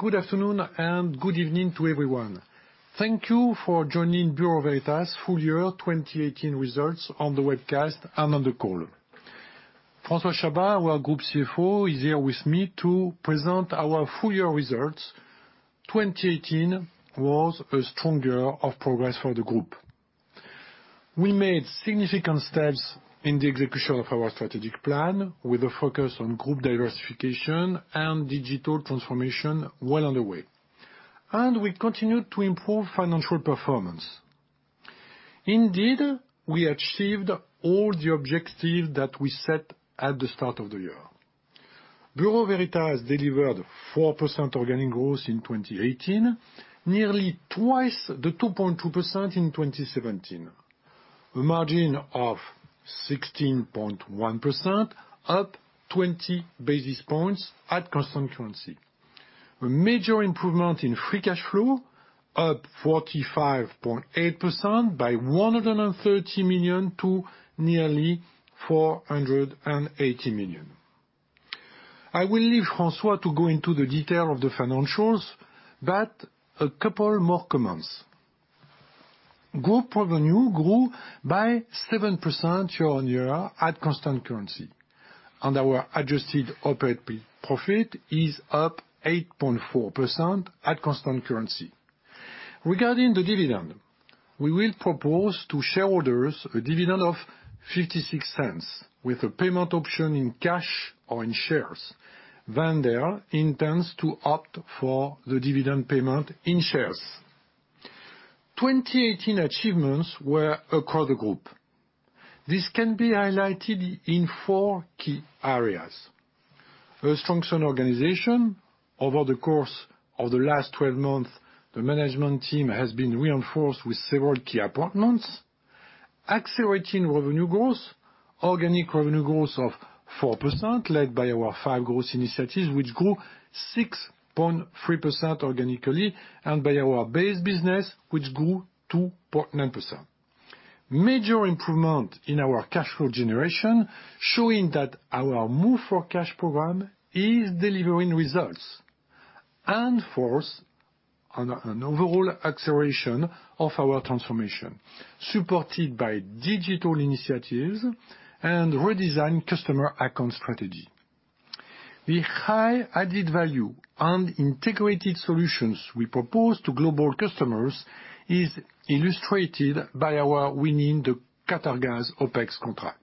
Good afternoon and good evening to everyone. Thank you for joining Bureau Veritas full year 2018 results on the webcast and on the call. François Chabas, our group CFO, is here with me to present our full year results. 2018 was a strong year of progress for the group. We made significant steps in the execution of our strategic plan with a focus on group diversification and digital transformation well underway. We continued to improve financial performance. Indeed, we achieved all the objectives that we set at the start of the year. Bureau Veritas delivered 4% organic growth in 2018, nearly twice the 2.2% in 2017. A margin of 16.1%, up 20 basis points at constant currency. A major improvement in free cash flow, up 45.8% by 130 million to nearly 480 million. I will leave François to go into the detail of the financials, a couple more comments. Group revenue grew by 7% year-on-year at constant currency, our adjusted operating profit is up 8.4% at constant currency. Regarding the dividend, we will propose to shareholders a dividend of 0.56 with a payment option in cash or in shares. Wendel intends to opt for the dividend payment in shares. 2018 achievements were across the group. This can be highlighted in four key areas. A strengthened organization. Over the course of the last 12 months, the management team has been reinforced with several key appointments. Accelerating revenue growth. Organic revenue growth of 4%, led by our five growth initiatives, which grew 6.3% organically, and by our base business, which grew 2.9%. Major improvement in our cash flow generation, showing that our Move For Cash program is delivering results. Fourth, an overall acceleration of our transformation, supported by digital initiatives and redesigned customer account strategy. The high added value and integrated solutions we propose to global customers is illustrated by our winning the Qatargas OPEX contract.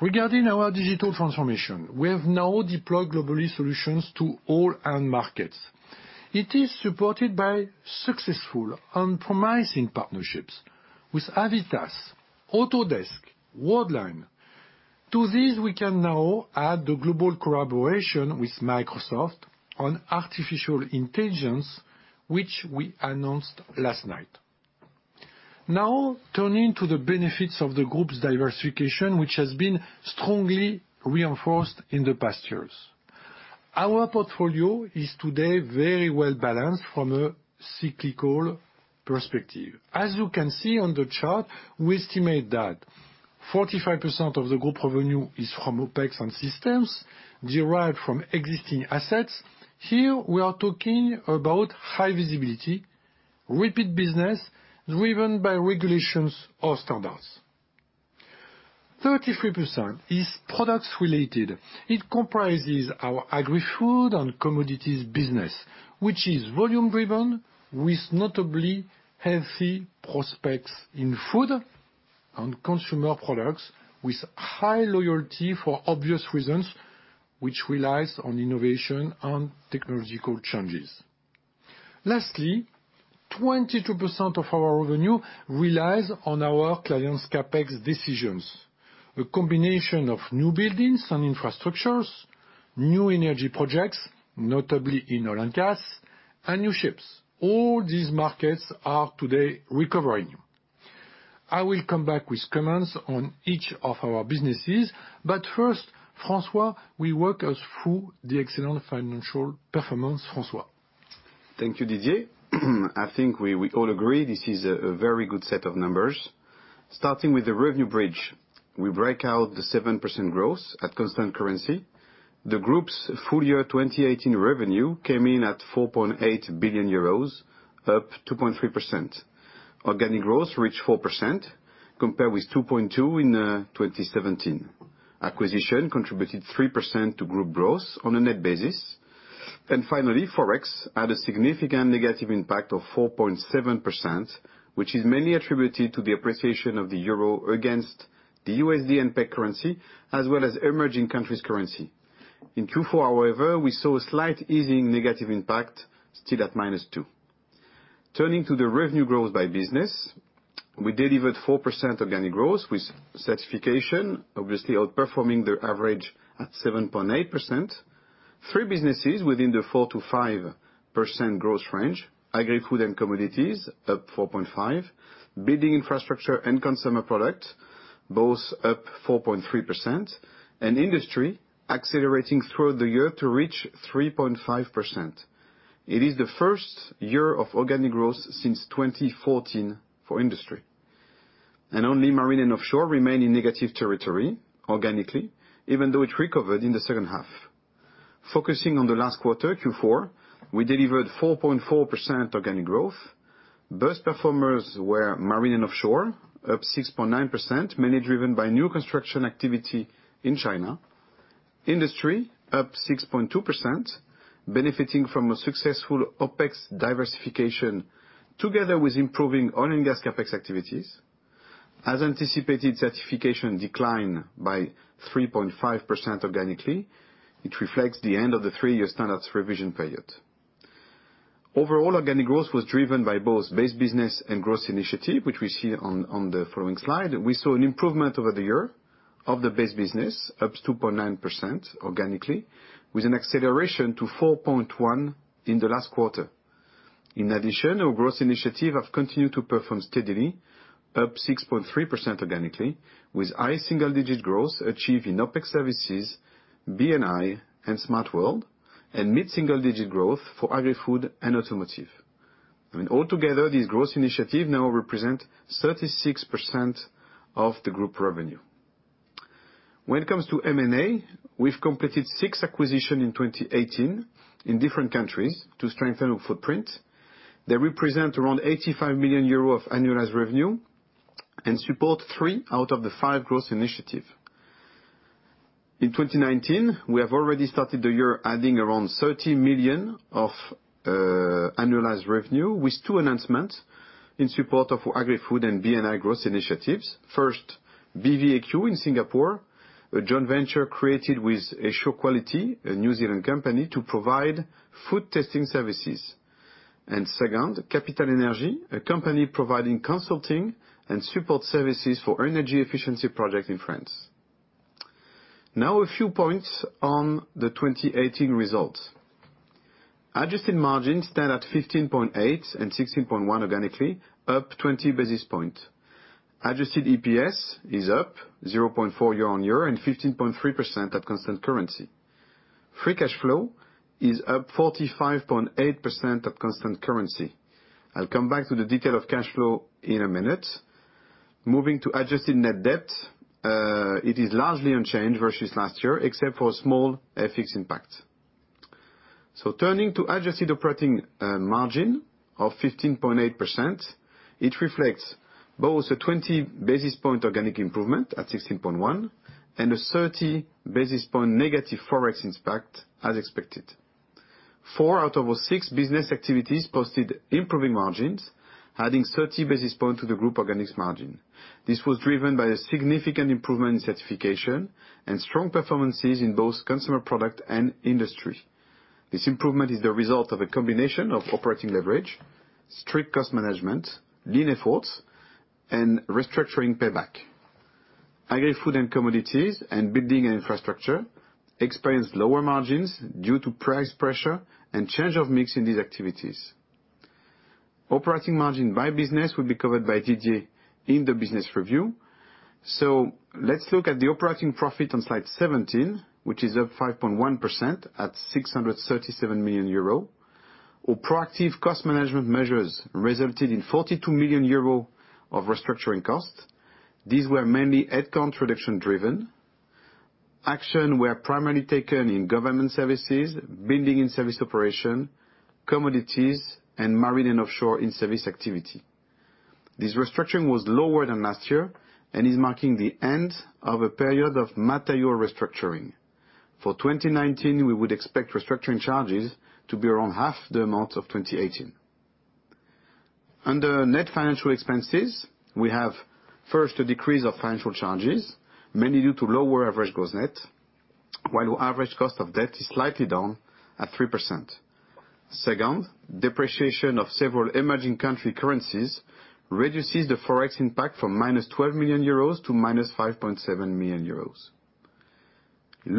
Regarding our digital transformation, we have now deployed globally solutions to all end markets. It is supported by successful and promising partnerships with Avitas, Autodesk, Worldline. To this, we can now add the global collaboration with Microsoft on artificial intelligence, which we announced last night. Turning to the benefits of the group's diversification, which has been strongly reinforced in the past years. Our portfolio is today very well-balanced from a cyclical perspective. As you can see on the chart, we estimate that 45% of the group revenue is from OPEX and systems derived from existing assets. Here, we are talking about high visibility, repeat business driven by regulations or standards. 33% is products related. It comprises our Agri-Food & Commodities business, which is volume driven with notably healthy prospects in food and Consumer Product with high loyalty for obvious reasons, which relies on innovation and technological changes. Lastly, 22% of our revenue relies on our clients' CapEx decisions, a combination of new buildings and infrastructures, new energy projects, notably in oil and gas, new ships. All these markets are today recovering. I will come back with comments on each of our businesses, first, François, will you walk us through the excellent financial performance, François? Thank you, Didier. I think we all agree this is a very good set of numbers. Starting with the revenue bridge, we break out the 7% growth at constant currency. The group's full year 2018 revenue came in at 4.8 billion euros, up 2.3%. Organic growth reached 4%, compared with 2.2% in 2017. Acquisition contributed 3% to group growth on a net basis. Finally, Forex had a significant negative impact of 4.7%, which is mainly attributed to the appreciation of the euro against the USD and pegged currency, as well as emerging countries' currency. In Q4, however, we saw a slight easing negative impact still at -2%. Turning to the revenue growth by business, we delivered 4% organic growth with certification, obviously outperforming their average at 7.8%. Three businesses within the 4%-5% growth range, Agri-Food & Commodities up 4.5%, Building & Infrastructure and Consumer Product both up 4.3%, and Industry accelerating throughout the year to reach 3.5%. It is the first year of organic growth since 2014 for Industry. Only Marine & Offshore remain in negative territory organically, even though it recovered in the second half. Focusing on the last quarter, Q4, we delivered 4.4% organic growth. Best performers were Marine & Offshore, up 6.9%, mainly driven by new construction activity in China. Industry, up 6.2%, benefiting from a successful OpEx diversification, together with improving oil and gas CapEx activities. As anticipated, certification declined by 3.5% organically. It reflects the end of the three-year standards revision period. Overall, organic growth was driven by both base business and growth initiative, which we see on the following slide. We saw an improvement over the year of the base business, up 2.9% organically, with an acceleration to 4.1% in the last quarter. In addition, our growth initiative have continued to perform steadily, up 6.3% organically, with high single-digit growth achieved in OpEx services, B&I and Smartworld, and mid-single digit growth for Agri-Food and automotive. I mean, altogether, these growth initiatives now represent 36% of the group revenue. When it comes to M&A, we've completed six acquisition in 2018 in different countries to strengthen our footprint. They represent around 85 million euros of annualized revenue and support three out of the five growth initiatives. In 2019, we have already started the year adding around 30 million of annualized revenue with two announcements in support of Agri-Food and B&I growth initiatives. First, BVAQ in Singapore, a joint venture created with AsureQuality, a New Zealand company, to provide food testing services. Second, Capital Energy, a company providing consulting and support services for energy efficiency project in France. Now, a few points on the 2018 results. Adjusted margins stand at 15.8% and 16.1% organically, up 20 basis points. Adjusted EPS is up 0.4 year-on-year and 15.3% at constant currency. Free cash flow is up 45.8% at constant currency. I'll come back to the detail of cash flow in a minute. Moving to adjusted net debt, it is largely unchanged versus last year, except for a small FX impact. Turning to adjusted operating margin of 15.8%, it reflects both a 20 basis point organic improvement at 16.1% and a 30 basis point negative Forex impact as expected. Four out of our six business activities posted improving margins, adding 30 basis point to the group organics margin. This was driven by a significant improvement in certification and strong performances in both Consumer Product and Industry. This improvement is the result of a combination of operating leverage, strict cost management, lean efforts, and restructuring payback. Agri-Food & Commodities and Building & Infrastructure experienced lower margins due to price pressure and change of mix in these activities. Operating margin by business will be covered by Didier in the business review. Let's look at the operating profit on slide 17, which is up 5.1% at €637 million, where proactive cost management measures resulted in €42 million of restructuring costs. These were mainly headcount reduction driven. Action were primarily taken in government services, building and service operation, commodities, and Marine & Offshore in service activity. This restructuring was lower than last year and is marking the end of a period of material restructuring. For 2019, we would expect restructuring charges to be around half the amount of 2018. Under net financial expenses, we have, first, a decrease of financial charges, mainly due to lower average gross net, while our average cost of debt is slightly down at 3%. Second, depreciation of several emerging country currencies reduces the Forex impact from -€12 million to -€5.7 million.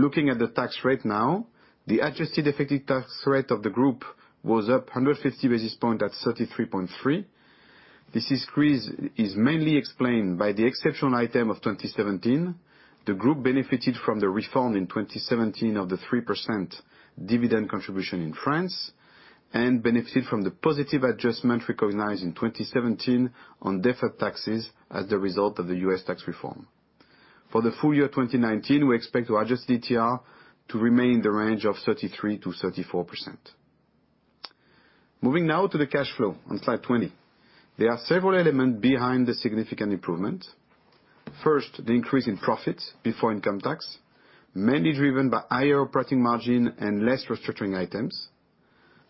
Looking at the tax rate now, the adjusted effective tax rate of the group was up 150 basis point at 33.3%. This increase is mainly explained by the exceptional item of 2017. The group benefited from the reform in 2017 of the 3% dividend contribution in France and benefited from the positive adjustment recognized in 2017 on deferred taxes as the result of the U.S. tax reform. For the full year 2019, we expect our adjusted ETR to remain in the range of 33%-34%. Moving now to the cash flow on slide 20. There are several elements behind the significant improvement. First, the increase in profit before income tax, mainly driven by higher operating margin and less restructuring items.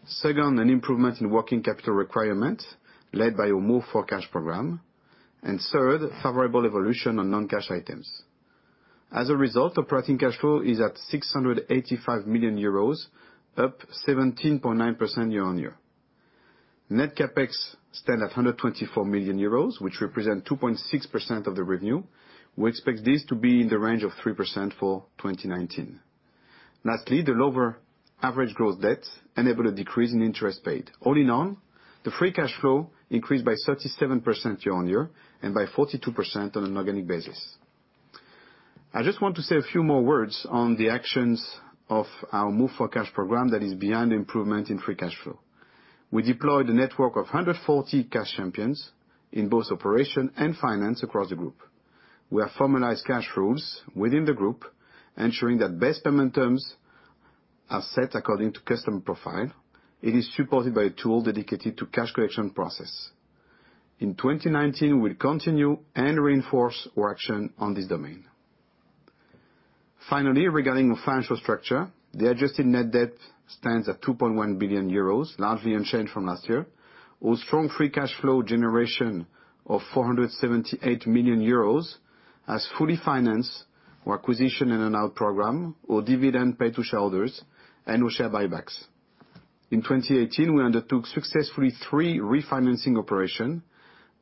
Second, an improvement in working capital requirement led by our Move For Cash program. Third, favorable evolution on non-cash items. As a result, operating cash flow is at €685 million, up 17.9% year-on-year. Net CapEx stand at €124 million, which represent 2.6% of the revenue. We expect this to be in the range of 3% for 2019. Lastly, the lower average gross debt enable a decrease in interest paid. All in all, the free cash flow increased by 37% year-on-year and by 42% on an organic basis. I just want to say a few more words on the actions of our Move For Cash program that is behind the improvement in free cash flow. We deployed a network of 140 cash champions in both operation and finance across the group. We have formalized cash flows within the group, ensuring that best payment terms are set according to customer profile. It is supported by a tool dedicated to cash collection process. In 2019, we'll continue and reinforce our action on this domain. Finally, regarding our financial structure, the adjusted net debt stands at €2.1 billion, largely unchanged from last year, with strong free cash flow generation of €478 million, has fully financed our acquisition in our program, our dividend paid to shareholders, and our share buybacks. In 2018, we undertook successfully three refinancing operation,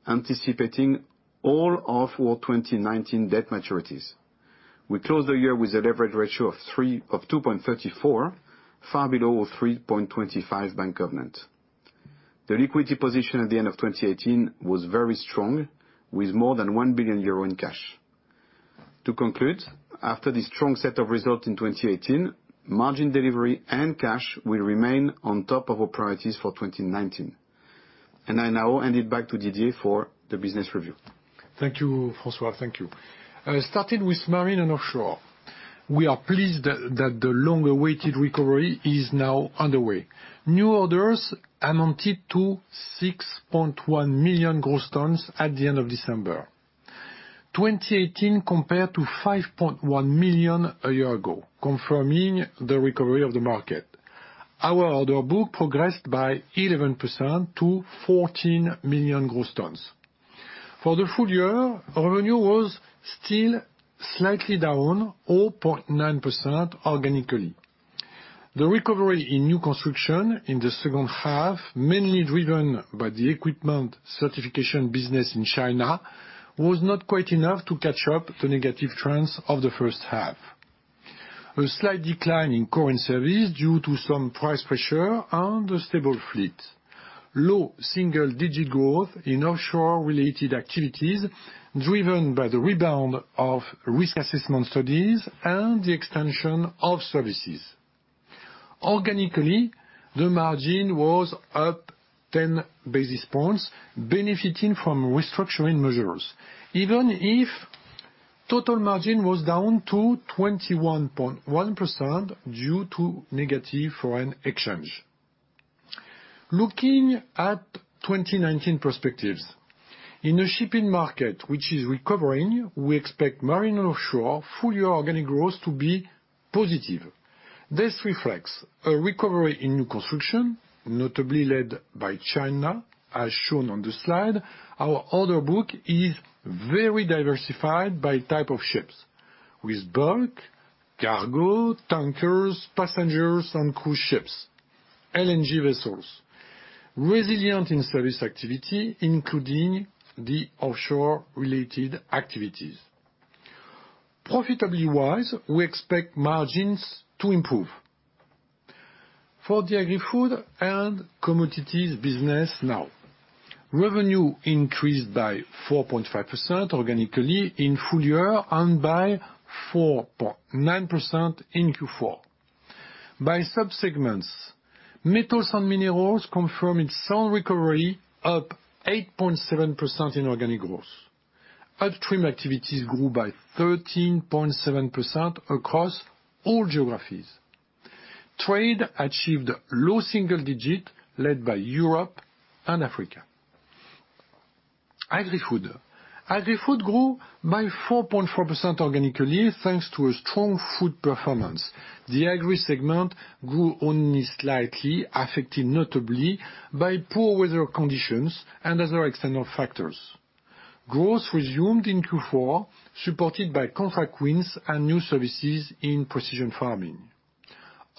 anticipating all of our 2019 debt maturities. We closed the year with a leverage ratio of 2.34, far below our 3.25 bank covenant. The liquidity position at the end of 2018 was very strong, with more than €1 billion in cash. To conclude, after this strong set of results in 2018, margin delivery and cash will remain on top of our priorities for 2019. I now hand it back to Didier for the business review. Thank you, François. Thank you. Starting with Marine & Offshore, we are pleased that the long-awaited recovery is now underway. New orders amounted to 6.1 million gross tons at the end of December 2018 compared to 5.1 million a year ago, confirming the recovery of the market. Our order book progressed by 11% to 14 million gross tons. For the full year, our revenue was still slightly down 0.9% organically. The recovery in new construction in the second half, mainly driven by the equipment certification business in China, was not quite enough to catch up the negative trends of the first half. A slight decline in current service due to some price pressure and a stable fleet. Low single-digit growth in offshore-related activities, driven by the rebound of risk assessment studies and the extension of services. Organically, the margin was up 10 basis points, benefiting from restructuring measures, even if total margin was down to 21.1% due to negative foreign exchange. Looking at 2019 perspectives, in a shipping market which is recovering, we expect Marine & Offshore full-year organic growth to be positive. This reflects a recovery in new construction, notably led by China, as shown on the slide. Our order book is very diversified by type of ships with bulk, cargo, tankers, passengers and cruise ships, LNG vessels. Resilient in service activity, including the offshore-related activities. Profitability-wise, we expect margins to improve. For the Agri-Food & Commodities business now. Revenue increased by 4.5% organically in full year and by 4.9% in Q4. By sub-segments, metals and minerals confirm its sound recovery, up 8.7% in organic growth. Upstream activities grew by 13.7% across all geographies. Trade achieved low single-digit, led by Europe and Africa. Agri-Food. Agri-Food grew by 4.4% organically, thanks to a strong food performance. The agri segment grew only slightly, affected notably by poor weather conditions and other external factors. Growth resumed in Q4, supported by contract wins and new services in precision farming.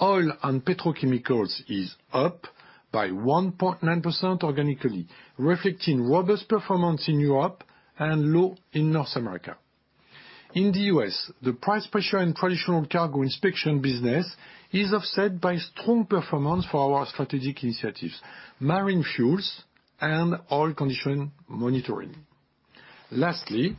Oil and petrochemicals is up by 1.9% organically, reflecting robust performance in Europe and low in North America. In the U.S., the price pressure in traditional cargo inspection business is offset by strong performance for our strategic initiatives, marine fuels and oil condition monitoring. Lastly,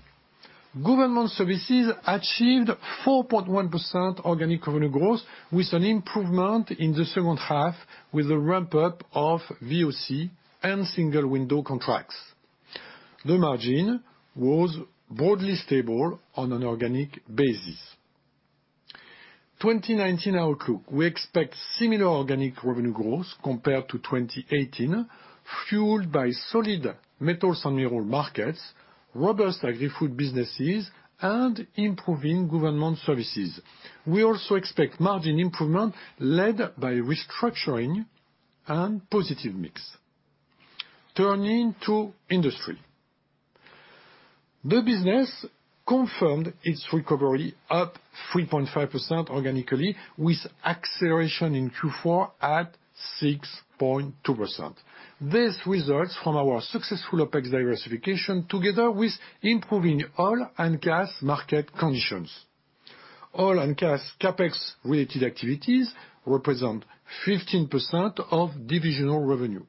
government services achieved 4.1% organic revenue growth with an improvement in the second half with a ramp-up of VOC and single-window contracts. The margin was broadly stable on an organic basis. 2019 outlook, we expect similar organic revenue growth compared to 2018, fueled by solid metals and mineral markets, robust Agri-Food businesses, and improving government services. We also expect margin improvement led by restructuring and positive mix. Turning to Industry, the business confirmed its recovery, up 3.5% organically, with acceleration in Q4 at 6.2%. This results from our successful OpEx diversification together with improving oil and gas market conditions. Oil and gas CapEx-related activities represent 15% of divisional revenue.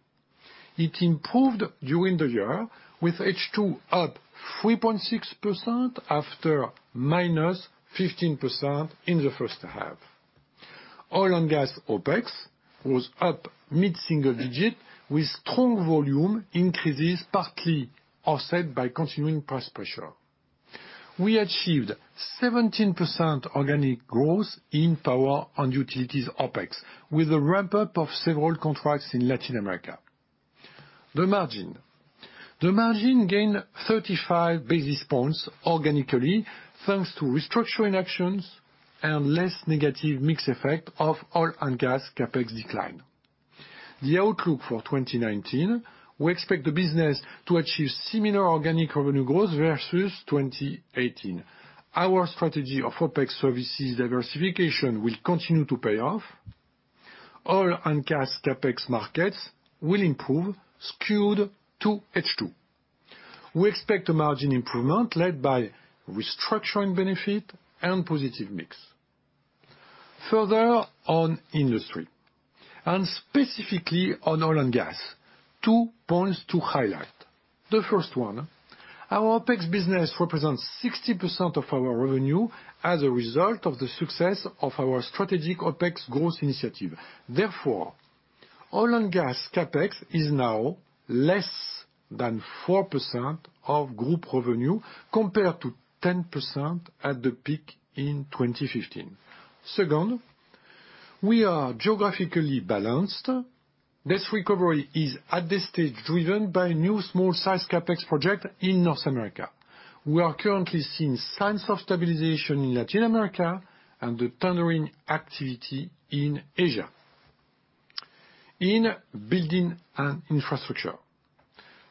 It improved during the year with H2 up 3.6% after 15% in the first half. Oil and gas OpEx was up mid-single digit with strong volume increases, partly offset by continuing price pressure. We achieved 17% organic growth in power and utilities OpEx, with a ramp-up of several contracts in Latin America. The margin gained 35 basis points organically thanks to restructuring actions and less negative mix effect of oil and gas CapEx decline. The outlook for 2019: we expect the business to achieve similar organic revenue growth versus 2018. Our strategy of OpEx services diversification will continue to pay off. Oil and gas CapEx markets will improve, skewed to H2. We expect a margin improvement led by restructuring benefit and positive mix. Further on Industry, and specifically on oil and gas, two points to highlight. First, our OpEx business represents 60% of our revenue as a result of the success of our strategic OpEx growth initiative. Therefore, oil and gas CapEx is now less than 4% of group revenue, compared to 10% at the peak in 2015. Second, we are geographically balanced. This recovery is at this stage driven by new small-sized CapEx project in North America. We are currently seeing signs of stabilization in Latin America and the turning activity in Asia. In Building and Infrastructure,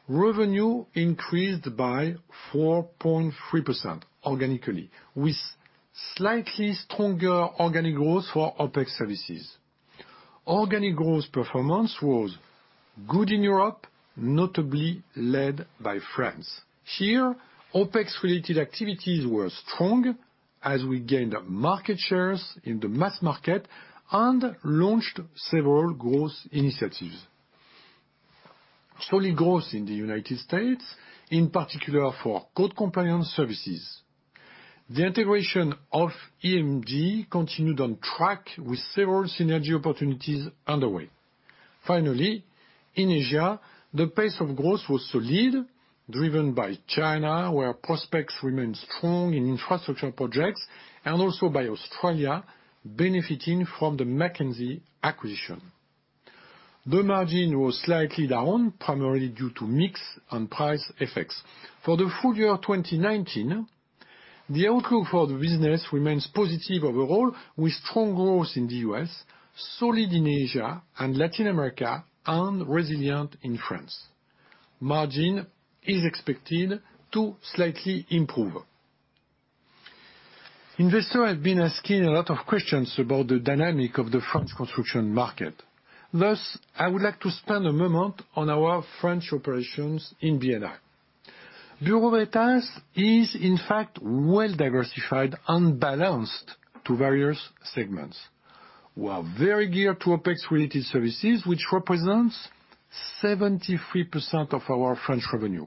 revenue increased by 4.3% organically, with slightly stronger organic growth for OpEx services. Organic growth performance was good in Europe, notably led by France. Here, OpEx-related activities were strong as we gained market shares in the mass market and launched several growth initiatives. Solid growth in the United States, in particular for code compliance services. The integration of EMG continued on track with several synergy opportunities underway. Finally, in Asia, the pace of growth was solid, driven by China, where prospects remain strong in infrastructure projects, and also by Australia benefiting from the Mackenzie acquisition. The margin was slightly down, primarily due to mix and price effects. For the full year 2019, the outlook for the business remains positive overall, with strong growth in the U.S., solid in Asia and Latin America, and resilient in France. Margin is expected to slightly improve. Investors have been asking a lot of questions about the dynamic of the French construction market. I would like to spend a moment on our French operations in B&I. Bureau Veritas is, in fact, well-diversified and balanced to various segments. We are very geared to OpEx-related services, which represents 73% of our French revenue.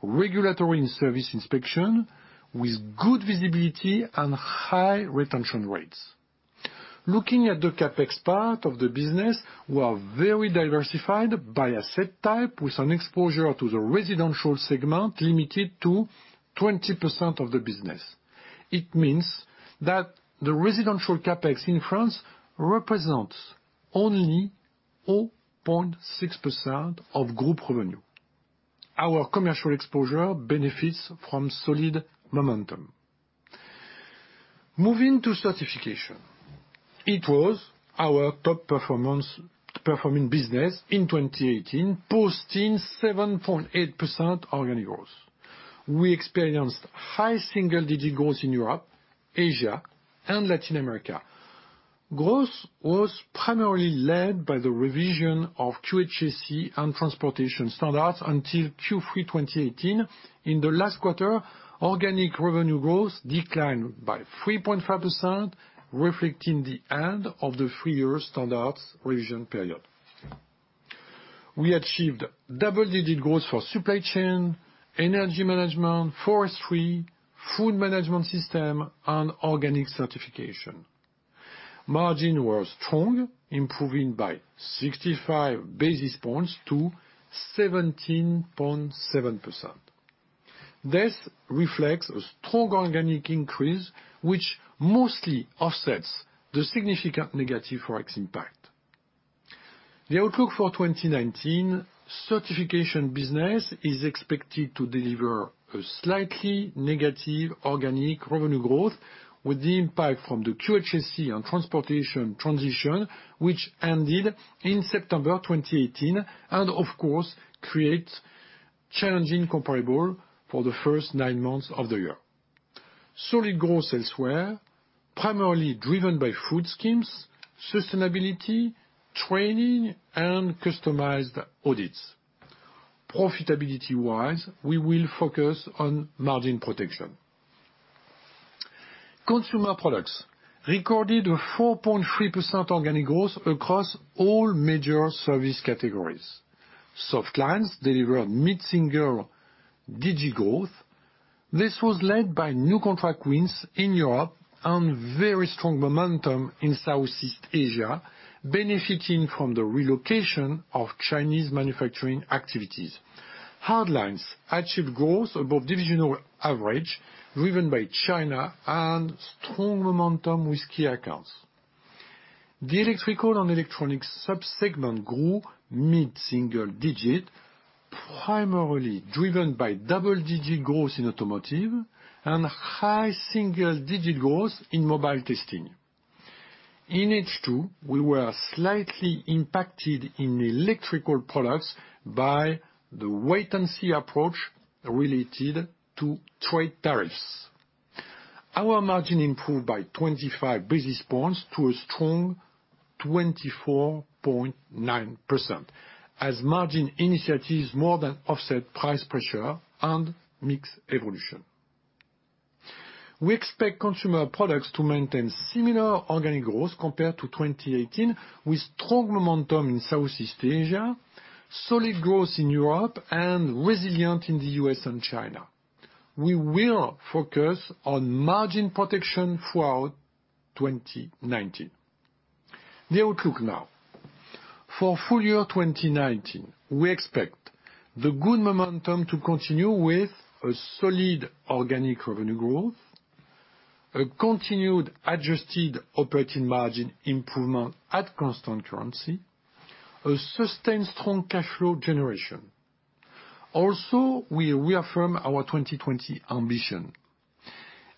Regulatory and service inspection with good visibility and high retention rates. Looking at the CapEx part of the business, we are very diversified by asset type with an exposure to the residential segment limited to 20% of the business. It means that the residential CapEx in France represents only 0.6% of group revenue. Our commercial exposure benefits from solid momentum. Moving to certification, it was our top-performing business in 2018, posting 7.8% organic growth. We experienced high single-digit growth in Europe, Asia, and Latin America. Growth was primarily led by the revision of QHSE and transportation standards until Q3 2018. In the last quarter, organic revenue growth declined by 3.5%, reflecting the end of the three-year standards revision period. We achieved double-digit growth for supply chain, energy management, forestry, food management system, and organic certification. Margin was strong, improving by 65 basis points to 17.7%. This reflects a strong organic increase, which mostly offsets the significant negative FX impact. The outlook for 2019, certification business is expected to deliver a slightly negative organic revenue growth with the impact from the QHSE and transportation transition, which ended in September 2018. Of course, creates challenging comparable for the first nine months of the year. Solid growth elsewhere, primarily driven by food schemes, sustainability, training, and customized audits. Profitability-wise, we will focus on margin protection. Consumer Products recorded a 4.3% organic growth across all major service categories. Soft lines delivered mid-single-digit growth. This was led by new contract wins in Europe and very strong momentum in Southeast Asia, benefiting from the relocation of Chinese manufacturing activities. Hard lines achieved growth above divisional average, driven by China and strong momentum with key accounts. The electrical and electronic sub-segment grew mid-single digit, primarily driven by double-digit growth in automotive and high single-digit growth in mobile testing. In H2, we were slightly impacted in electrical products by the wait-and-see approach related to trade tariffs. Our margin improved by 25 basis points to a strong 24.9%, as margin initiatives more than offset price pressure and mix evolution. We expect Consumer Product to maintain similar organic growth compared to 2018, with strong momentum in Southeast Asia, solid growth in Europe, and resilient in the U.S. and China. We will focus on margin protection throughout 2019. The outlook now. For full year 2019, we expect the good momentum to continue with a solid organic revenue growth, a continued adjusted operating margin improvement at constant currency, a sustained strong cash flow generation. We reaffirm our 2020 ambition.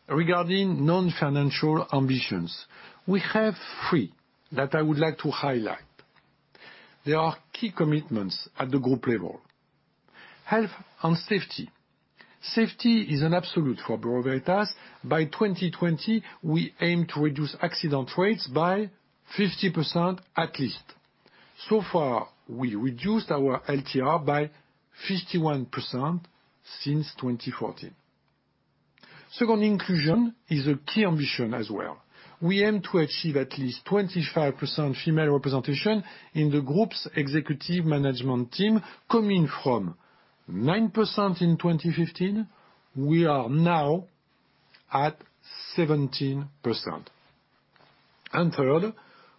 Regarding non-financial ambitions, we have three that I would like to highlight. They are key commitments at the group level. Health and safety. Safety is an absolute for Bureau Veritas. By 2020, we aim to reduce accident rates by 50% at least. We reduced our LTR by 51% since 2014. Second, inclusion is a key ambition as well. We aim to achieve at least 25% female representation in the group's executive management team, coming from 9% in 2015. We are now at 17%. Third,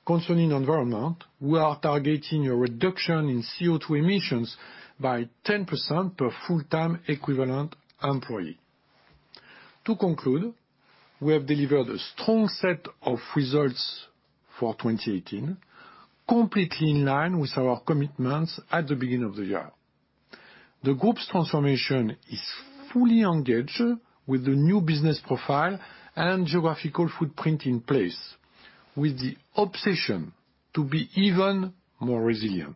concerning environment, we are targeting a reduction in CO2 emissions by 10% per full-time equivalent employee. To conclude, we have delivered a strong set of results for 2018, completely in line with our commitments at the beginning of the year. The group's transformation is fully engaged with the new business profile and geographical footprint in place, with the obsession to be even more resilient.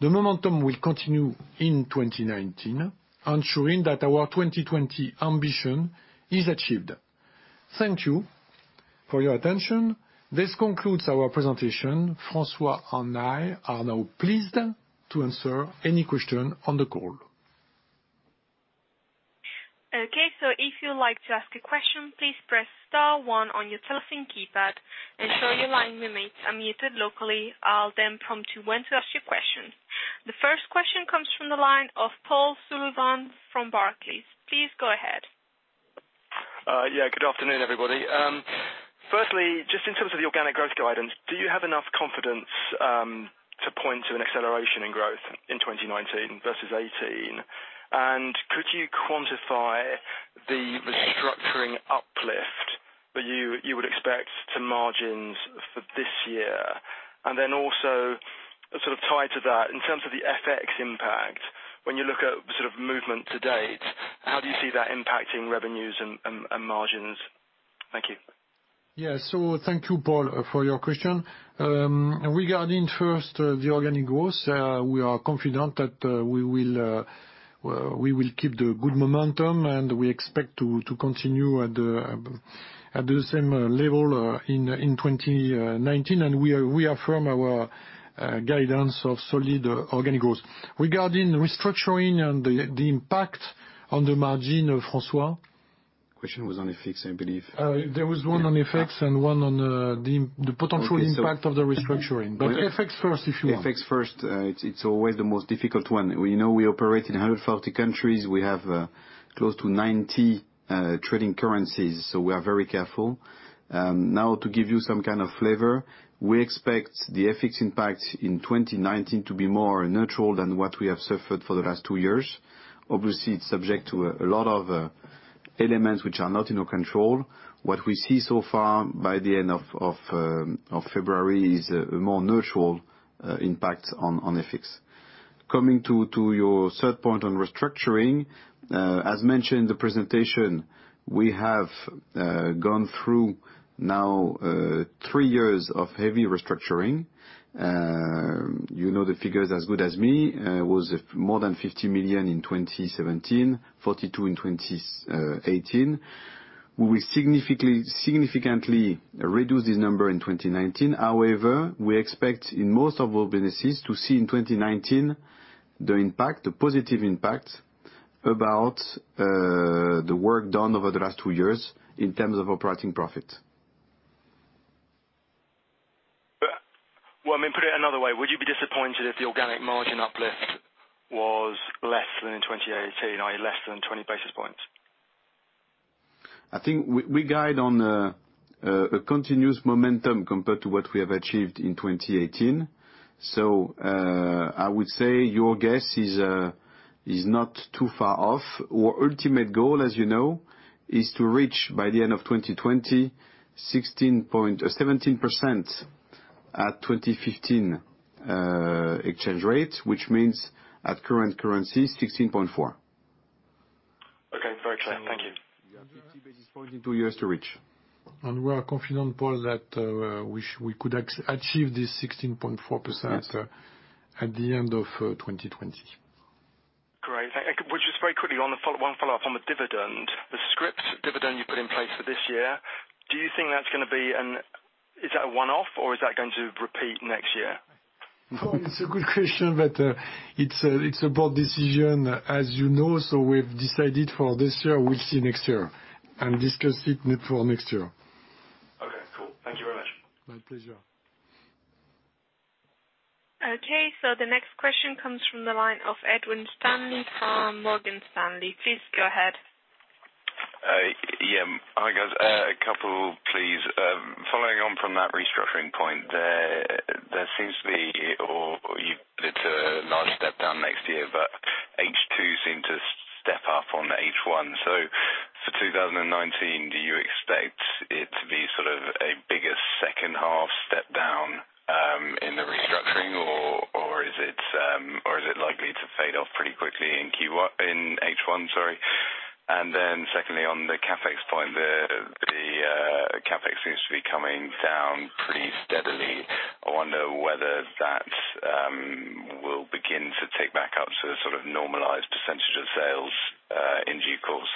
The momentum will continue in 2019, ensuring that our 2020 ambition is achieved. Thank you for your attention. This concludes our presentation. François and I are now pleased to answer any question on the call. If you'd like to ask a question, please press star one on your telephone keypad, ensure your line remains unmuted locally. I'll then prompt you when to ask your question. The first question comes from the line of Paul Sullivan from Barclays. Please go ahead. Good afternoon, everybody. Firstly, just in terms of the organic growth guidance, do you have enough confidence to point to an acceleration in growth in 2019 versus 2018? Could you quantify the restructuring uplift that you would expect to margins for this year? Also, tied to that, in terms of the FX impact, when you look at movement to date, how do you see that impacting revenues and margins? Thank you. Thank you, Paul, for your question. Regarding first the organic growth, we are confident that we will keep the good momentum. We expect to continue at the same level in 2019. We affirm our guidance of solid organic growth. Regarding the restructuring and the impact on the margin, François? Question was on FX, I believe. There was one on FX and one on the potential impact of the restructuring. FX first, if you want. FX first. It's always the most difficult one. We operate in 140 countries. We have close to 90 trading currencies, so we are very careful. To give you some kind of flavor, we expect the FX impact in 2019 to be more neutral than what we have suffered for the last two years. Obviously, it's subject to a lot of elements which are not in our control. What we see so far by the end of February is a more neutral impact on FX. Coming to your third point on restructuring, as mentioned in the presentation, we have gone through now three years of heavy restructuring. You know the figures as good as me. It was more than 50 million in 2017, 42 million in 2018. We will significantly reduce this number in 2019. We expect in most of our businesses to see in 2019, the positive impact about the work done over the last two years in terms of operating profit. Well, let me put it another way. Would you be disappointed if the organic margin uplift was less than in 2018, i.e., less than 20 basis points? I think we guide on a continuous momentum compared to what we have achieved in 2018. I would say your guess is not too far off. Our ultimate goal, as you know, is to reach by the end of 2020, 17% at 2015 exchange rate, which means at current currency, 16.4. Okay, perfect. Thank you. 50 basis point in two years to reach. We are confident, Paul, that we could achieve this 16.4% at the end of 2020. Great. Just very quickly, one follow-up on the dividend. The scrip dividend you put in place for this year, is that a one-off or is that going to repeat next year? It's a good question, it's a board decision, as you know. We've decided for this year. We'll see next year and discuss it for next year. Okay, cool. Thank you very much. My pleasure. Okay, the next question comes from the line of Ed Stanley from Morgan Stanley. Please go ahead. Yeah. Hi, guys. A couple, please. Following on from that restructuring point, there seems to be, or you've put it to a large step down next year, but H2 seemed to step up on H1. For 2019, do you expect it to be sort of a bigger second half step down, in the restructuring, or is it likely to fade off pretty quickly in H1? Secondly, on the CapEx point, the CapEx seems to be coming down pretty steadily. I wonder whether that will begin to tick back up to the sort of normalized percentage of sales in due course.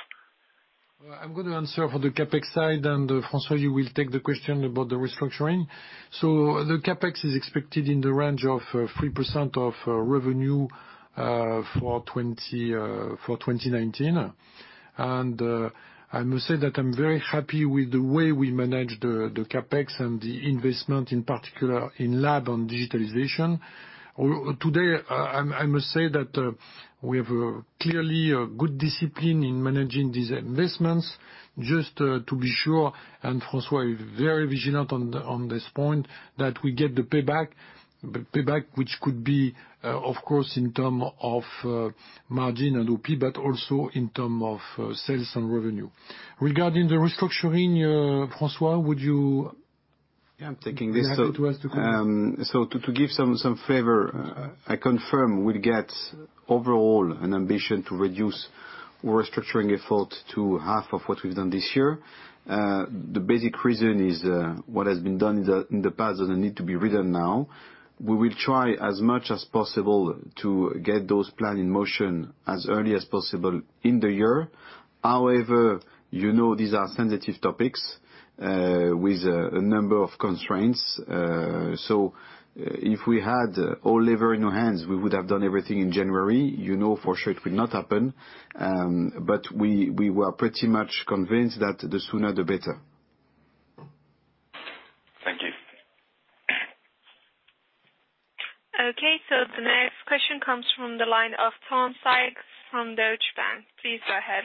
I'm going to answer for the CapEx side, François, you will take the question about the restructuring. The CapEx is expected in the range of 3% of revenue for 2019. I must say that I'm very happy with the way we manage the CapEx and the investment, in particular in lab on digitalization. Today, I must say that we have clearly a good discipline in managing these investments. Just to be sure, François is very vigilant on this point, that we get the payback which could be, of course, in term of margin and OP, but also in term of sales and revenue. Regarding the restructuring, François, would you- Yeah, I'm taking this be happy to answer quickly? To give some flavor, I confirm we get overall an ambition to reduce restructuring effort to half of what we've done this year. The basic reason is what has been done in the past doesn't need to be redone now. We will try as much as possible to get those plan in motion as early as possible in the year. You know these are sensitive topics, with a number of constraints. If we had all levers in our hands, we would have done everything in January. You know for sure it will not happen. We were pretty much convinced that the sooner the better. Thank you. Okay, the next question comes from the line of Tom Sykes from Deutsche Bank. Please go ahead.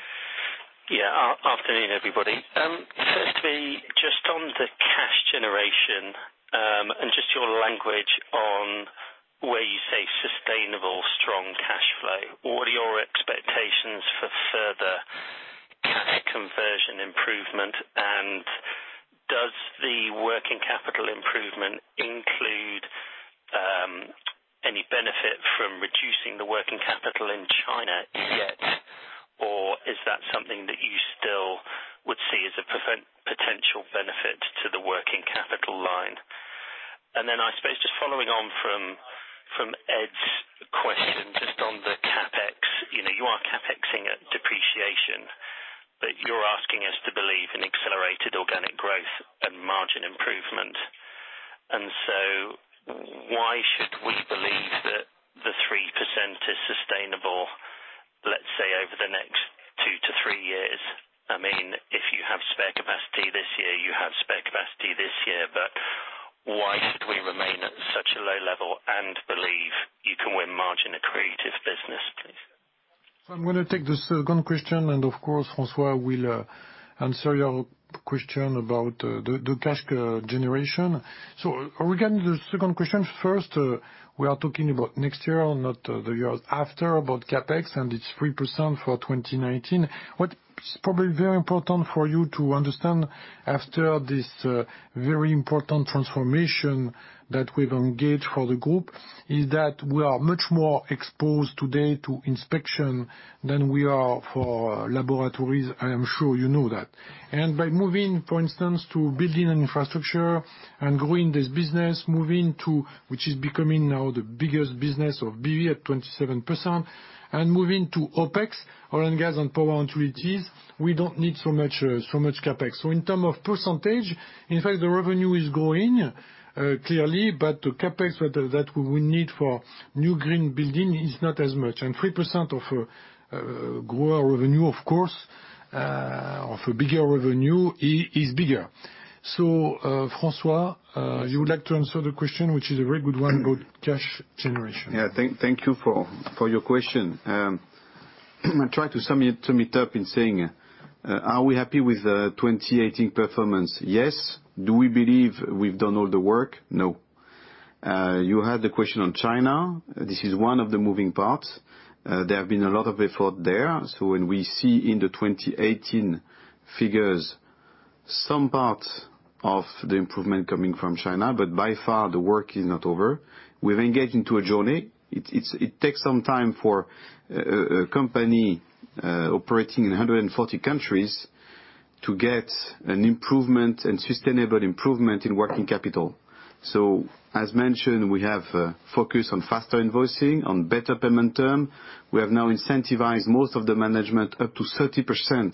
Afternoon, everybody. Firstly, just on the cash generation, and just your language on where you say sustainable strong cash flow. What are your expectations for further conversion improvement? Does the working capital improvement include any benefit from reducing the working capital in China yet? Is that something that you still would see as a potential benefit to the working capital line? Then, I suppose, just following on from Ed's question, just on the CapEx. You are CapExing at depreciation, but you're asking us to believe in accelerated organic growth and margin improvement. Why should we believe that the 3% is sustainable, let's say over the next two to three years? If you have spare capacity this year, but why should we remain at such a low level and believe you can win margin-accretive business business, please? I'm going to take the second question, and of course, François will answer your question about the cash generation. Regarding the second question, first, we are talking about next year, not the years after, about CapEx, and it's 3% for 2019. What is probably very important for you to understand after this very important transformation that we've engaged for the group is that we are much more exposed today to inspection than we are for laboratories. I am sure you know that. By moving, for instance, to building an infrastructure and growing this business, moving to which is becoming now the biggest business of BV at 27%, and moving to OpEx, oil and gas and power and utilities, we don't need so much CapEx. In terms of percentage, in fact, the revenue is growing, clearly, but the CapEx that we need for new green building is not as much. 3% of grow our revenue, of course, of a bigger revenue is bigger. François, you would like to answer the question, which is a very good one about cash generation. Thank you for your question. I'll try to sum it up in saying, are we happy with the 2018 performance? Yes. Do we believe we've done all the work? No. You had the question on China. This is one of the moving parts. There have been a lot of effort there. When we see in the 2018 figures, some parts of the improvement coming from China, but by far, the work is not over. We've engaged into a journey. It takes some time for a company operating in 140 countries to get an improvement and sustainable improvement in working capital. As mentioned, we have focused on faster invoicing, on better payment terms. We have now incentivized most of the management up to 30%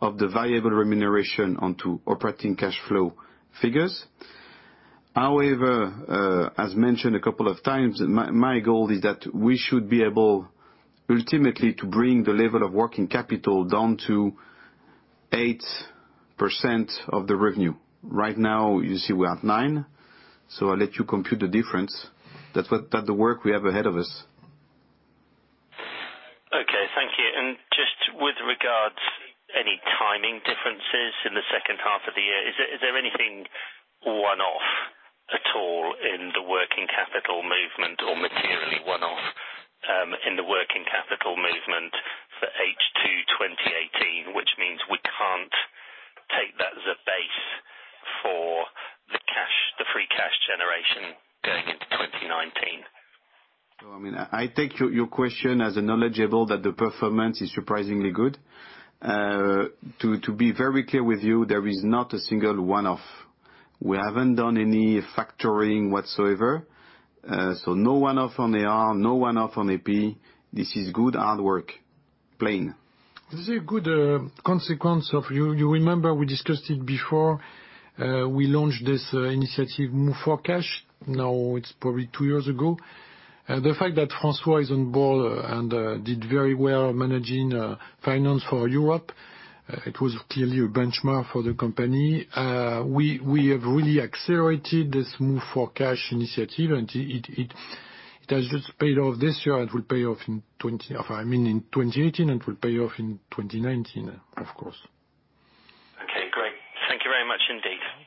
of the variable remuneration onto operating cash flow figures. However, as mentioned a couple of times, my goal is that we should be able ultimately, to bring the level of working capital down to 8% of the revenue. Right now, you see we're at nine. I'll let you compute the difference. That the work we have ahead of us. Okay, thank you. Just with regards any timing differences in the second half of the year, is there anything one-off at all in the working capital movement or materially one-off in the working capital movement for H2 2018, which means we can't take that as a base for the free cash generation going into 2019? I take your question as a knowledgeable that the performance is surprisingly good. To be very clear with you, there is not a single one-off. We haven't done any factoring whatsoever. No one-off on AR, no one-off on AP. This is good hard work. Plain. This is a good consequence of. You remember we discussed it before we launched this initiative, Move For Cash. It's probably two years ago. The fact that François is on board and did very well managing finance for Europe, it was clearly a benchmark for the company. We have really accelerated this Move For Cash initiative. It has just paid off this year and will pay off in 2018, and will pay off in 2019, of course. Okay, great. Thank you very much indeed.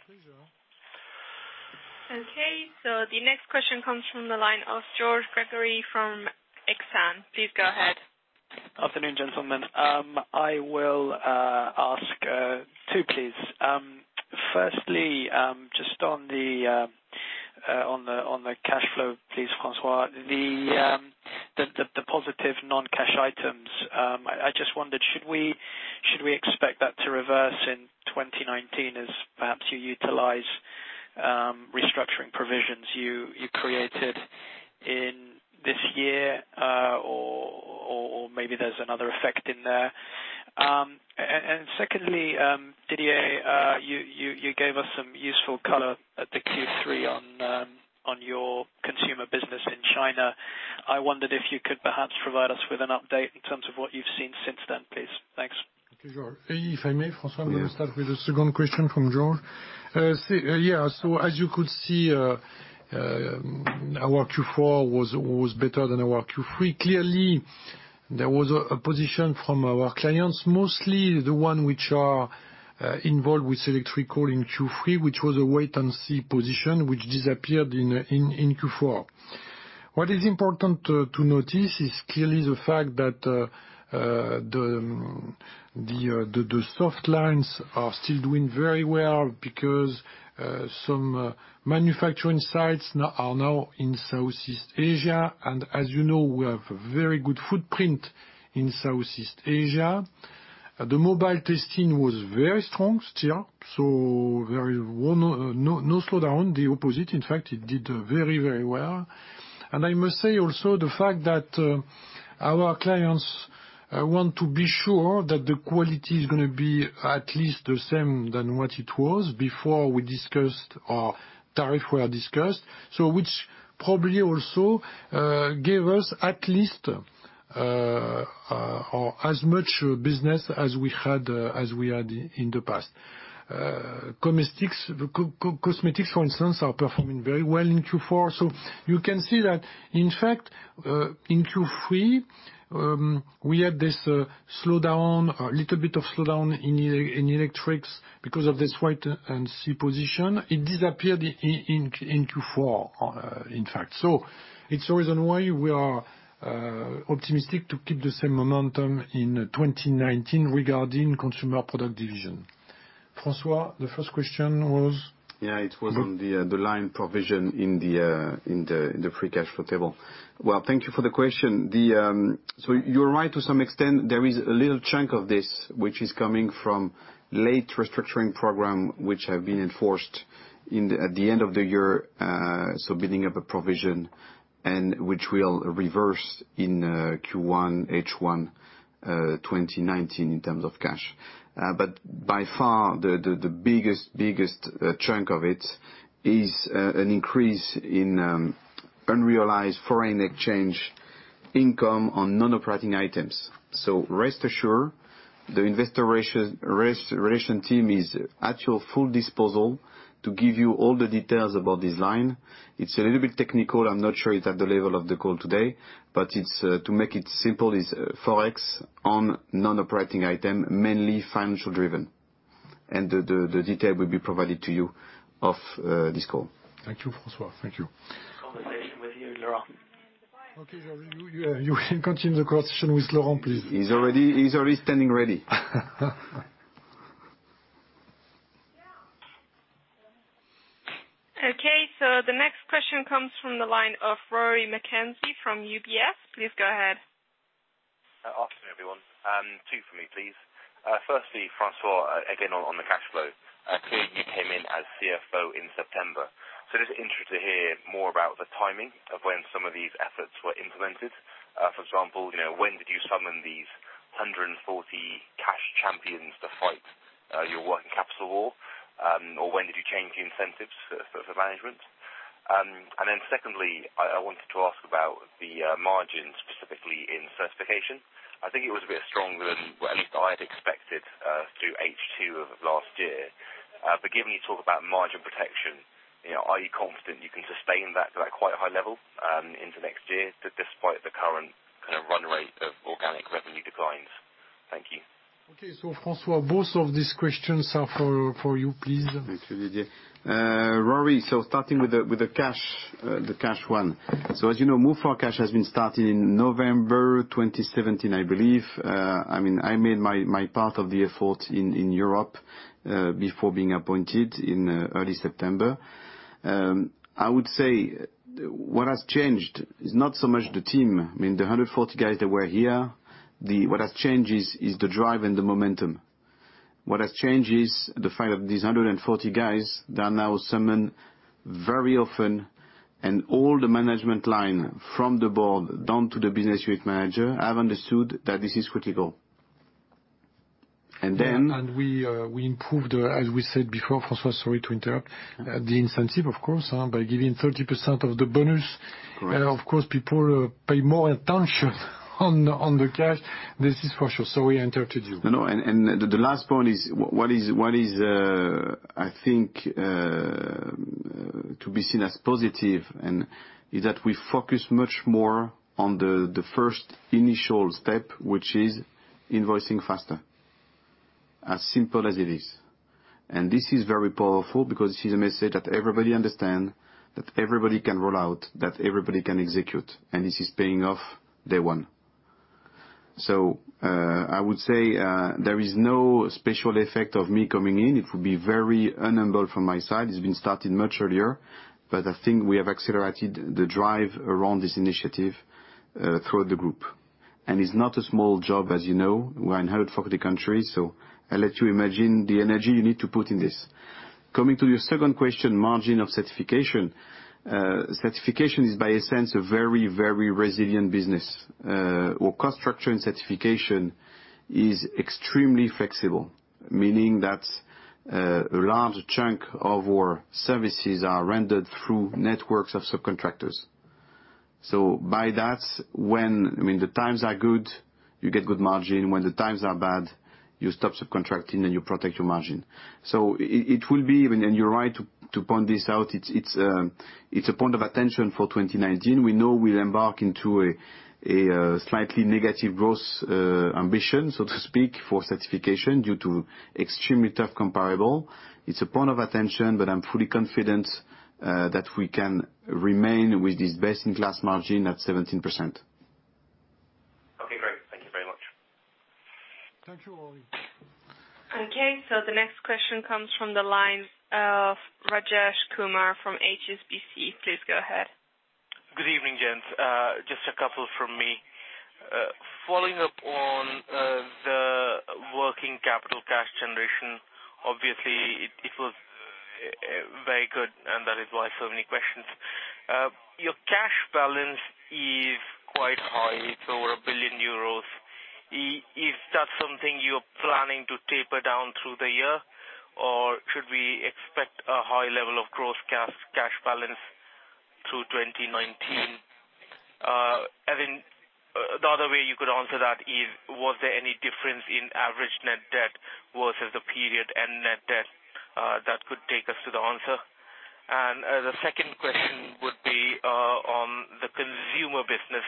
Please go on. Okay, the next question comes from the line of George Gregory from Exane. Please go ahead. Afternoon, gentlemen. I will ask two, please. Firstly, just on the cash flow, please, François. The positive non-cash items, I just wondered, should we expect that to reverse in 2019 as perhaps you utilize restructuring provisions you created in this year? Or maybe there's another effect in there. Secondly, Didier, you gave us some useful color at the Q3 on your consumer business in China. I wondered if you could perhaps provide us with an update in terms of what you've seen since then, please. Thanks. Okay, George. If I may, François, may I start with the second question from George? As you could see, our Q4 was better than our Q3. Clearly, there was a position from our clients, mostly the one which are involved with electrical in Q3, which was a wait-and-see position, which disappeared in Q4. What is important to notice is clearly the fact that the soft lines are still doing very well because some manufacturing sites are now in Southeast Asia, and as you know, we have very good footprint in Southeast Asia. The mobile testing was very strong still, no slowdown. The opposite, in fact, it did very well. I must say also, the fact that our clients want to be sure that the quality is going to be at least the same than what it was before our tariff were discussed. Which probably also gave us at least or as much business as we had in the past. Cosmetics, for instance, are performing very well in Q4. You can see that, in fact, in Q3, we had this little bit of slowdown in electrical because of this wait-and-see position. It disappeared in Q4, in fact. It's the reason why we are optimistic to keep the same momentum in 2019 regarding Consumer Product division. François, the first question was? It was on line provision in the free cash flow table. Well, thank you for the question. You're right, to some extent, there is a little chunk of this, which is coming from late restructuring program, which have been enforced at the end of the year, so building up a provision, and which will reverse in Q1, H1 2019 in terms of cash. By far, the biggest chunk of it is an increase in unrealized foreign exchange income on non-operating items. Rest assured, the investor relation team is at your full disposal to give you all the details about this line. It's a little bit technical. I'm not sure it's at the level of the call today, but to make it simple, it's Forex on non-operating item, mainly financial driven. The detail will be provided to you off this call. Thank you, François. Thank you. Conversation with you, Laurent. Okay. You will continue the conversation with Laurent, please. He's already standing ready. Okay. The next question comes from the line of Rory McKenzie from UBS. Please go ahead. Afternoon, everyone. Two for me, please. Firstly, François, again, on the cash flow. Clearly you came in as CFO in September, just interested to hear more about the timing of when some of these efforts were implemented. For example, when did you summon these 140 cash champions to fight your working capital war? When did you change the incentives for management? Secondly, I wanted to ask about the margin specifically in certification. I think it was a bit stronger than at least I'd expected through H2 of last year. Given you talk about margin protection, are you confident you can sustain that to that quite high level into next year, despite the current kind of run rate of organic revenue declines? Thank you. Okay. François, both of these questions are for you, please. Thank you, Didier. Rory, starting with the cash one. As you know, Move For Cash has been starting in November 2017, I believe. I made my part of the effort in Europe, before being appointed in early September. I would say what has changed is not so much the team. The 140 guys that were here, what has changed is the drive and the momentum. What has changed is the fact that these 140 guys are now summoned very often, all the management line, from the board down to the business unit manager, have understood that this is critical. We improved, as we said before, François, sorry to interrupt, the incentive, of course, by giving 30% of the bonus. Correct. Of course, people pay more attention on the cash, this is for sure. Sorry, I interrupted you. The last point, what is, I think, to be seen as positive, is that we focus much more on the first initial step, which is invoicing faster. As simple as it is. This is very powerful because this is a message that everybody understand, that everybody can roll out, that everybody can execute, and this is paying off day one. I would say, there is no special effect of me coming in. It would be very unhumble from my side. It's been starting much earlier. I think we have accelerated the drive around this initiative throughout the group. It's not a small job, as you know. We're in 140 countries, so I let you imagine the energy you need to put in this. Coming to your second question, margin of certification. Certification is by essence, a very resilient business. Our cost structure in certification is extremely flexible, meaning that a large chunk of our services are rendered through networks of subcontractors. By that, when the times are good, you get good margin. When the times are bad, you stop subcontracting and you protect your margin. It will be, and you're right to point this out, it's a point of attention for 2019. We know we'll embark into a slightly negative growth ambition, so to speak, for certification due to extremely tough comparable. It's a point of attention, but I'm fully confident that we can remain with this best-in-class margin at 17%. Okay, great. Thank you very much. Thank you, Rory. Okay, the next question comes from the line of Rajesh Kumar from HSBC. Please go ahead. Good evening, gents. Just a couple from me. Following up on the working capital cash generation, obviously it was very good, and that is why so many questions. Your cash balance is quite high. It is over 1 billion euros. Is that something you are planning to taper down through the year, or should we expect a high level of gross cash balance through 2019? The other way you could answer that is, was there any difference in average net debt versus the period end net debt that could take us to the answer? The second question would be on the consumer business.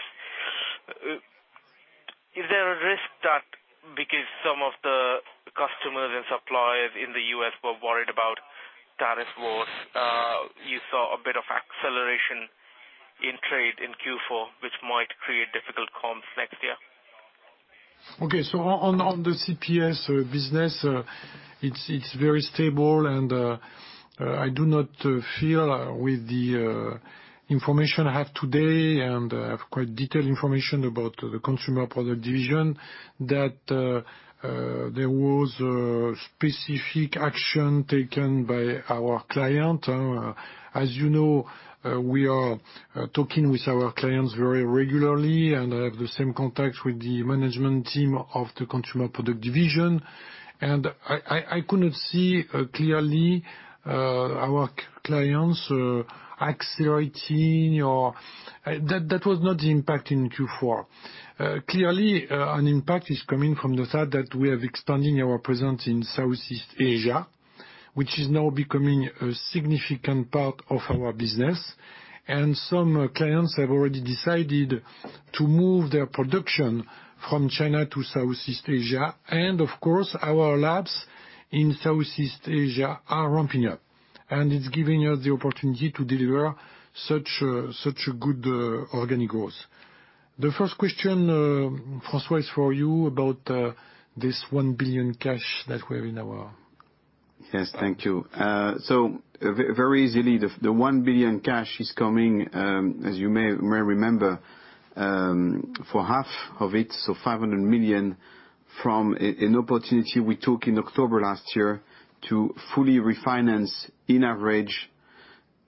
Is there a risk that because some of the customers and suppliers in the U.S. were worried about tariff wars, you saw a bit of acceleration in trade in Q4, which might create difficult comps next year? Okay, on the CPS business, it is very stable and, I do not feel with the information I have today, and I have quite detailed information about the Consumer Product Division, that there was specific action taken by our client. As you know, we are talking with our clients very regularly, and I have the same contact with the management team of the Consumer Product Division. I could not see clearly our clients accelerating, that was not the impact in Q4. Clearly, an impact is coming from the fact that we are expanding our presence in Southeast Asia, which is now becoming a significant part of our business. Some clients have already decided to move their production from China to Southeast Asia. Of course, our labs in Southeast Asia are ramping up, and it is giving us the opportunity to deliver such good organic growth. The first question, François, is for you about this 1 billion cash. Yes, thank you. Very easily, the 1 billion cash is coming, as you may remember, for half of it, 500 million, from an opportunity we took in October last year to fully refinance, in average,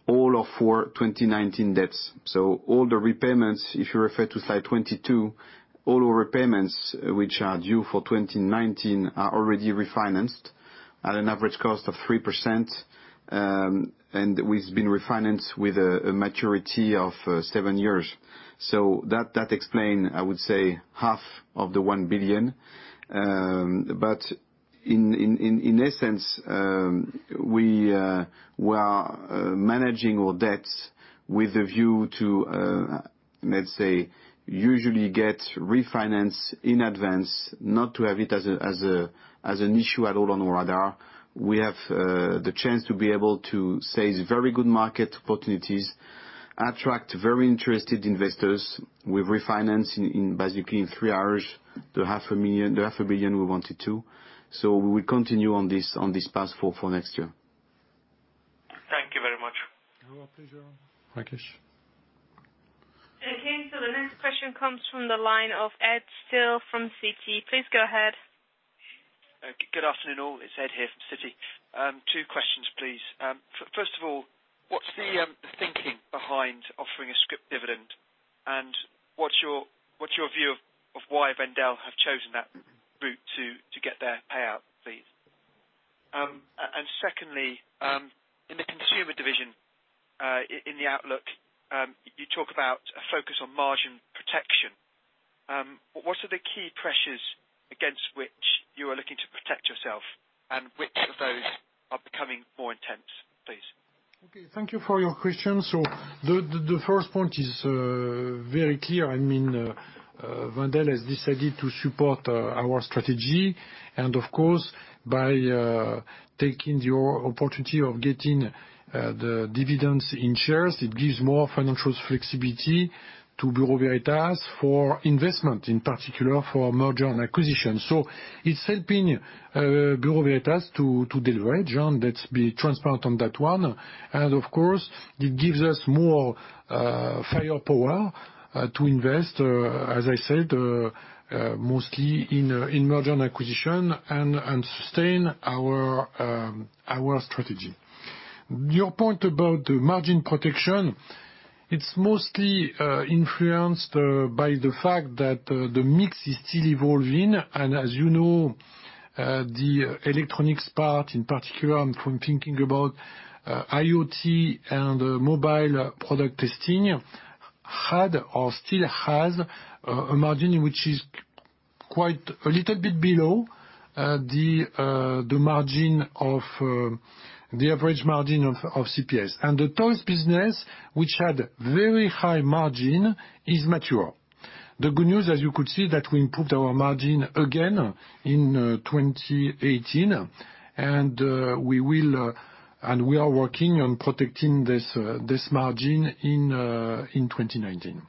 all of our 2019 debts. All the repayments, if you refer to slide 22, all our repayments which are due for 2019 are already refinanced at an average cost of 3%, and it's been refinanced with a maturity of seven years. That explains, I would say, half of the 1 billion. In essence, we are managing our debts with a view to, let's say, usually get refinanced in advance, not to have it as an issue at all on our radar. We have the chance to be able to say it's very good market opportunities, attract very interested investors. We've refinanced basically in three hours, the half a billion EUR we wanted to. We will continue on this path for next year. Thank you very much. You are welcome. Thank you. The next question comes from the line of Ed Still from Citi. Please go ahead. Good afternoon, all. It's Ed here from Citi. Two questions, please. First of all, what's the thinking behind offering a scrip dividend? What's your view of why Wendel have chosen that route to get their payout, please? Secondly, in the consumer division, in the outlook, you talk about a focus on margin protection. What are the key pressures against which you are looking to protect yourself? Which of those are becoming more intense, please? Okay. Thank you for your question. The first point is very clear. Wendel has decided to support our strategy, and of course, by taking the opportunity of getting the dividends in shares, it gives more financial flexibility to Bureau Veritas for investment, in particular for merger and acquisition. It's helping Bureau Veritas to deliver, and let's be transparent on that one. Of course, it gives us more firepower to invest, as I said, mostly in merger and acquisition, and sustain our strategy. Your point about margin protection, it's mostly influenced by the fact that the mix is still evolving. As you know, the electronics part in particular, I'm thinking about IoT and mobile product testing, had or still has a margin which is quite a little bit below the average margin of CPS. The toys business, which had very high margin, is mature. The good news, as you could see, that we improved our margin again in 2018, and we are working on protecting this margin in 2019.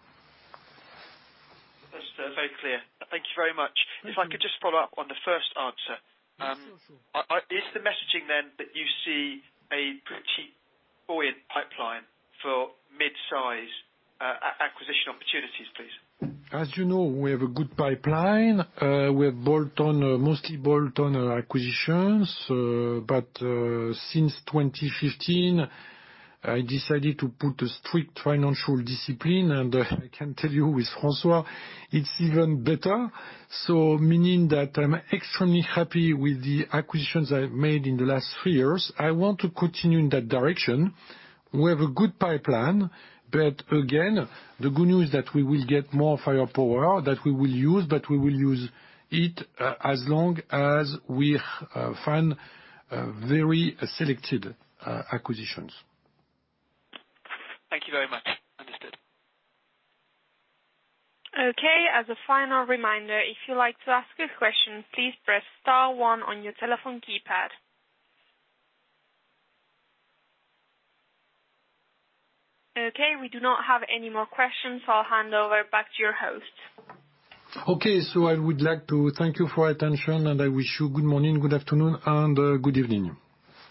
That's very clear. Thank you very much. If I could just follow up on the first answer. Yes. Is the messaging that you see a pretty buoyant pipeline for midsize acquisition opportunities, please? As you know, we have a good pipeline. We have mostly bolt-on acquisitions. Since 2015, I decided to put a strict financial discipline, and I can tell you with François, it's even better. Meaning that I'm extremely happy with the acquisitions I've made in the last three years. I want to continue in that direction. We have a good pipeline, again, the good news that we will get more firepower that we will use, but we will use it as long as we find very selected acquisitions. Thank you very much. Understood. Okay. As a final reminder, if you'd like to ask a question, please press star one on your telephone keypad. Okay. We do not have any more questions, I'll hand over back to your host. Okay. I would like to thank you for your attention, I wish you good morning, good afternoon, and good evening.